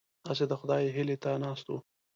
هسې د خدای هیلې ته ناست وو.